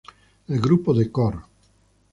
El grupo de Cor.